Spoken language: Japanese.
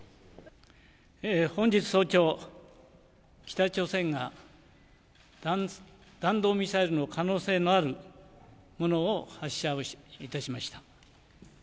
本日早朝、北朝鮮が弾道ミサイルの可能性のあるものを発射をいたしました。